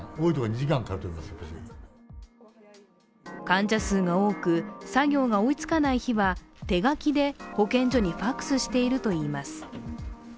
患者数が多く、作業が追いつかない日は手描きで保健所にＦＡＸしているといいます。